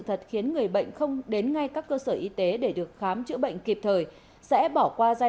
thật khiến người bệnh không đến ngay các cơ sở y tế để được khám chữa bệnh kịp thời sẽ bỏ qua giai